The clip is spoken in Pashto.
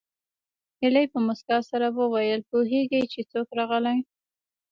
هيلې په مسکا سره وویل پوهېږې چې څوک راغلي